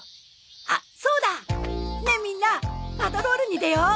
あっそうだ！ねえみんなパトロールに出よう！